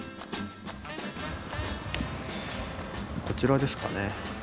こちらですかね。